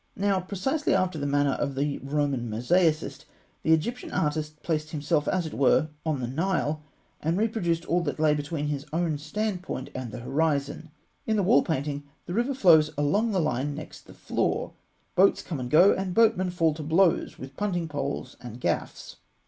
Now, precisely after the manner of the Roman mosaicist, the old Egyptian artist placed himself, as it were, on the Nile, and reproduced all that lay between his own standpoint and the horizon. In the wall painting (fig. 176) the river flows along the line next the floor, boats come and go, and boatmen fall to blows with punting poles and gaffs.